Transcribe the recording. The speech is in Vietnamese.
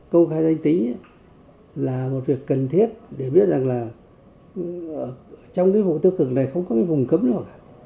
công khai danh tính là một việc cần thiết để biết rằng là trong cái vùng tư cực này không có cái vùng cấm đâu